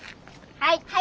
はい。